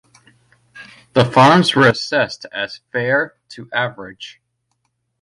The farms were assessed as "fair" to "average".